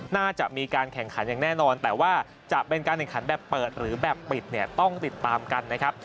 น่าจะมีการแข่งขันอย่างแน่นอนแต่ว่าจะเป็นการแข่งขันแบบเปิดหรือแบบปิดเนี่ยต้องติดตามกันนะครับ